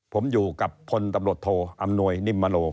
ผมอยู่กับพลตำรวจโทอำนวยนิมมโล